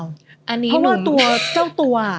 เพราะว่าตัวเจ้าตัว